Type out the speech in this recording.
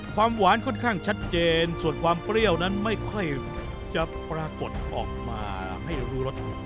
ความหวานค่อนข้างชัดเจนส่วนความเปรี้ยวนั้นไม่ค่อยจะปรากฏออกมาให้รู้รส